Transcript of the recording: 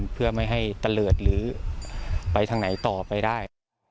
เพื่อไม่ให้ตะเลิศหรือไปทางไหนต่อไปได้